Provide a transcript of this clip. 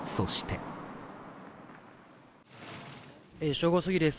正午過ぎです。